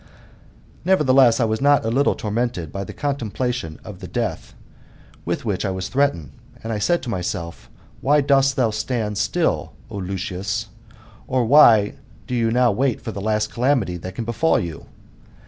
Nevertheless, I was pot a little tor ii^ented by the contemplation of the death with which I was threatened, and I said to myself : Why dost thou stand still, O Lucius, or why do you now wait for the last calamity that can befall you